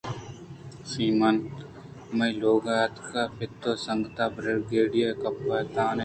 سی مینSeeMan مئے لوگ ءَاتک پت ءِ سنگت ءُبریگیڈ ءِ کپتان اَت